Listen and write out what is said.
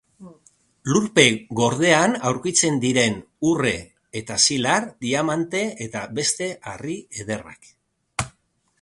Lurpe gordean aurkitzen diren urre eta zilar, diamante eta beste harri ederrak.